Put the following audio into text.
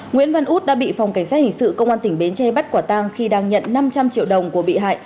nguyễn văn út đã bị phòng cảnh sát hình sự công an tỉnh bến tre bắt quả tang khi đang nhận năm trăm linh triệu đồng của bị hại